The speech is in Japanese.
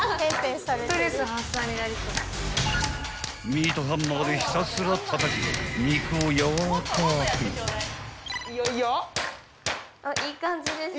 ［ミートハンマーでひたすらたたき肉を柔らかく］いい感じです。